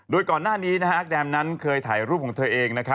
โดยก่อนหน้านี้แดมนั้นเคยถ่ายรูปของเธอเอง